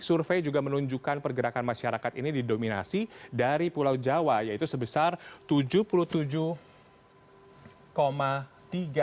survei juga menunjukkan pergerakan masyarakat ini didominasi dari pulau jawa yaitu sebesar tujuh puluh tujuh tiga persen